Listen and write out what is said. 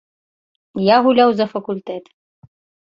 Я гуляў за факультэт.